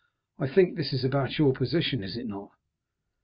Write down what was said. I think this is about your position, is it not?"